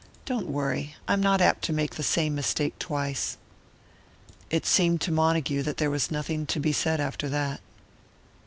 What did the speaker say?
"Don't worry. I am not apt to make the same mistake twice." It seemed to Montague that there was nothing to be said after that.